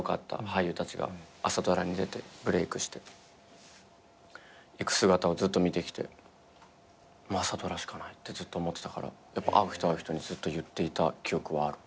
俳優たちが朝ドラに出てブレークしていく姿をずっと見てきてもう朝ドラしかないってずっと思ってたからやっぱ会う人会う人にずっと言っていた記憶はある。